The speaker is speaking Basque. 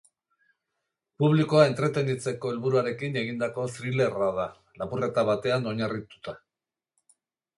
Publikoa entretenitzeko helburuarekin egindako thrillerra da, lapurreta batean oinarrituta.